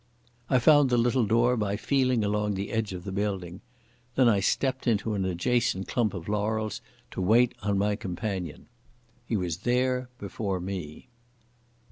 I found the little door by feeling along the edge of the building. Then I stepped into an adjacent clump of laurels to wait on my companion. He was there before me.